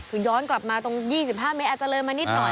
คือย้อนกลับมาตรง๒๕เมตรอาจจะเลยมานิดหน่อย